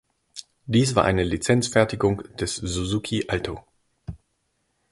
Dies war eine Lizenzfertigung des Suzuki Alto.